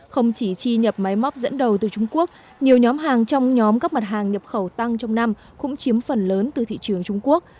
không chỉ chi nhập máy móc dẫn đầu từ trung quốc nhiều nhóm hàng trong nhóm các mặt hàng nhập khẩu tăng trong năm cũng chiếm phần lớn từ thị trường trung quốc